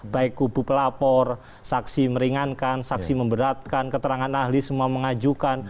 baik kubu pelapor saksi meringankan saksi memberatkan keterangan ahli semua mengajukan